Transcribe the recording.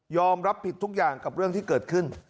รับผิดทุกอย่างกับเรื่องที่เกิดขึ้น